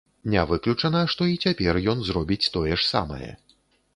Не выключана, што і цяпер ён зробіць тое ж самае.